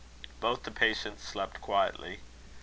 Both the patients slept quietly.